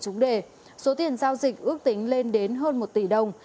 số đề số tiền giao dịch ước tính lên đến hơn một tỷ đồng